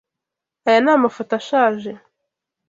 Aya ni amafoto ashaje.